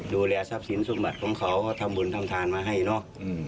ดูแลทรัพย์ศิลป์สุขบัตรของเขาก็ทำบุญทำทานมาให้เนอะอืม